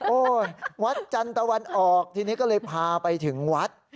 วัดจันตะวันออกทีนี้ก็เลยพาไปถึงวัด